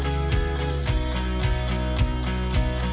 pertama diperintahkan oleh para pejabat kemarin